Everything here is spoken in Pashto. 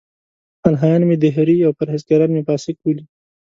الهیان مې دهري او پرهېزګاران مې فاسق بولي.